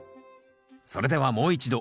それではもう一度。